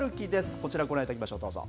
こちらをご覧いただきましょう、どうぞ。